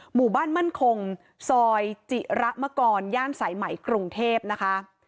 หมู่บ้านมั่นคงซอยจิระมกรย่านสายไหมกรุงเทพนะคะ